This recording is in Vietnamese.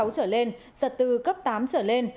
sáu trở lên giật từ cấp tám trở lên